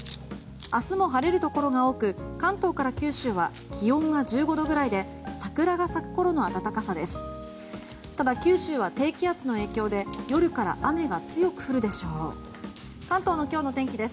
明日も晴れるところが多く関東から九州は気温が１５度くらいで桜が咲くころの暖かさです。